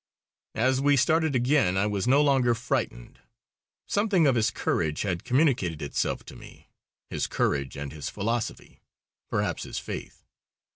As we started again I was no longer frightened. Something of his courage had communicated itself to me, his courage and his philosophy, perhaps his faith.